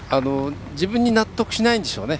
自分に納得しないんでしょうね。